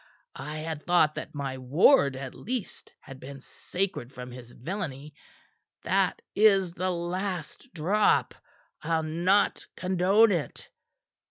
I had thought that my ward, at least, had been sacred from his villainy. That is the last drop. I'll not condone it.